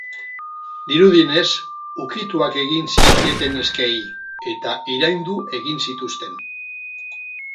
Dirudienez, ukituak egin zizkieten neskei, eta iraindu egin zituzten.